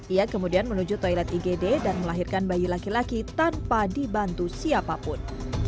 ia kemudian menuju toilet igd dan melahirkan bayi laki laki tanpa dibantu siapapun